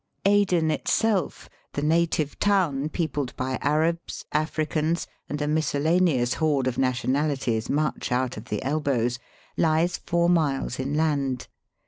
Aden itself, the native town peopled by Arabs, Africans, and a miscellaneous horde of nationalities much out of the elbows, lies four miles inland.